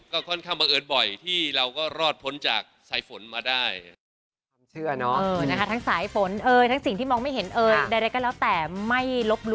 ก็ค่อนข้างบังเอิญบ่อยที่เราก็รอดพ้นจากสายฝนมาได้